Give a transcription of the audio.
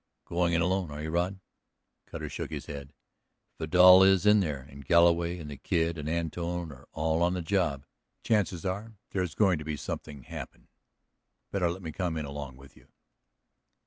"Going in alone, are you, Rod?" Cutter shook his head. "If Vidal is in there, and Galloway and the Kid and Antone are all on the job, the chances are there's going to be something happen. Better let me come in along with you."